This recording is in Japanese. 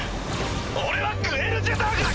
俺はグエル・ジェタークだ！